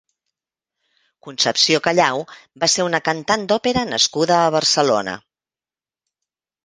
Concepció Callao va ser una cantant d'òpera nascuda a Barcelona.